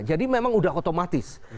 jadi memang sudah otomatis